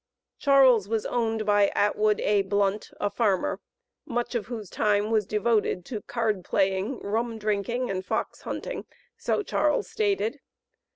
Charles was owned by Atwood A. Blunt, a farmer, much of whose time was devoted to card playing, rum drinking and fox hunting, so Charles stated.